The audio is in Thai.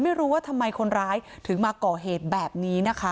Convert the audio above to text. ไม่รู้ว่าทำไมคนร้ายถึงมาก่อเหตุแบบนี้นะคะ